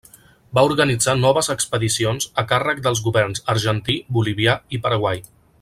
Va organitzar noves expedicions a càrrec dels governs argentí, bolivià i paraguai.